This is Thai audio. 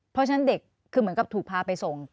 เพราะฉะนั้นเด็กคือเหมือนกับถูกพาไปส่ง